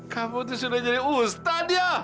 kamu tuh sudah jadi ustadz ya